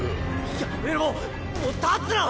やめろもう立つな！